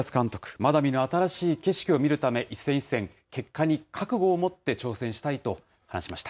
まだ見ぬ新しい景色を見るため、一戦一戦、結果に覚悟を持って挑戦したいと話しました。